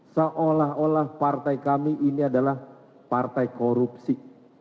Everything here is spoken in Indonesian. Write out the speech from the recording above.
seolah olah partai kami ini adalah partai korupsi